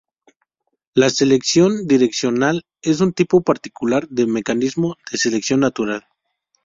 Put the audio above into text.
La selección direccional es un tipo particular de mecanismo de selección natural.